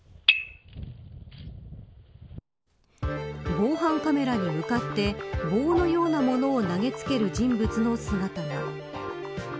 防犯カメラに向かって棒のような物を投げつける人物の姿が。